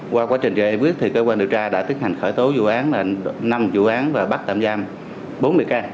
qua quá trình gây viết thì cơ quan điều tra đã tiết hành khởi tố năm vụ án và bắt tạm giam bốn mươi can